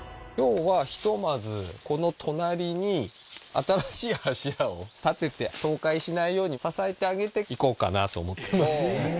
この隣に新しい柱を立てて倒壊しないように支えてあげていこうかなと思ってます。